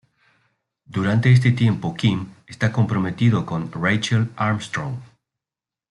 Durante este tiempo Kym está comprometido con Rachel Armstrong.